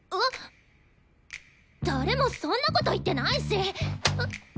誰もそんなこと言ってないし！